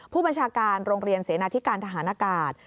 ผู้บัญชาการโรงเรียนเสนาธิการทหารอากาศ